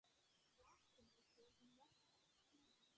Laskin was born in Russia.